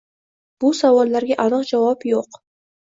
Bu savollarga aniq javob yo‘q.